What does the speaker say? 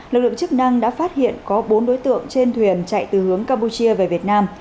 lực lượng chức năng đã phát hiện có bốn đối tượng trên thuyền chạy từ hướng campuchia về việt nam